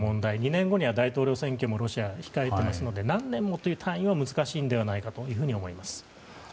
２年後には大統領選挙もロシアは控えていますので何年もという単位は難しいのではないかというふうに思います。